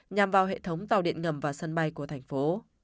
nhằm vào hệ thống tàu điện ngầm và sân bay của thành phố